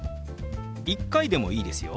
１回でもいいですよ。